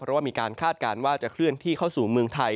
เพราะว่ามีการคาดการณ์ว่าจะเคลื่อนที่เข้าสู่เมืองไทย